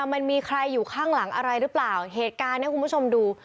มันมีใครอยู่ข้างหลังอะไรหรือเปล่าเหตุการณ์เนี้ยคุณผู้ชมดู